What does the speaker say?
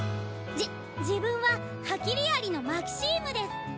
じ自分はハキリアリのマキシームです。